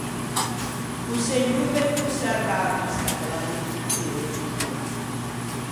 O Segnô o ve conserve a vista, che l’appetitto l’ei.